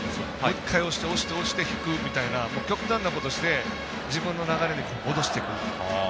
１回、押して押して引くみたいな、極端なことをして自分の流れに戻していく。